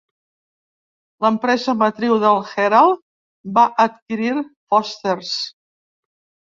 L'empresa matriu del Herald va adquirir Foster's.